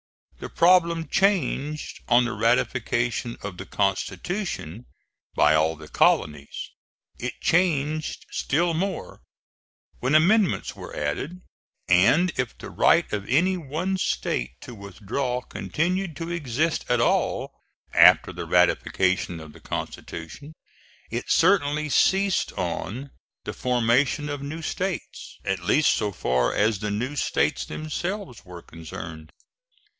The problem changed on the ratification of the Constitution by all the colonies; it changed still more when amendments were added; and if the right of any one State to withdraw continued to exist at all after the ratification of the Constitution, it certainly ceased on the formation of new States, at least so far as the new States themselves were concerned.